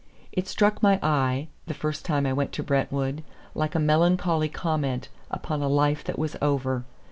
It struck my eye, the first time I went to Brentwood, like a melancholy comment upon a life that was over.